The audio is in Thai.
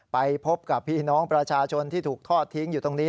ไปพบกับพี่น้องประชาชนที่ถูกทอดทิ้งอยู่ตรงนี้